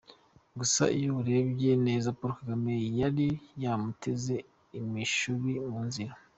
Gusa iyo urebye neza Paul Kagame yari yamuteze imishubi mu nzira.